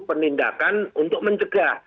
penindakan untuk mencegah